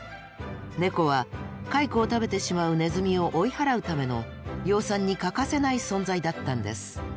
ネコは蚕を食べてしまうネズミを追い払うための養蚕に欠かせない存在だったんです。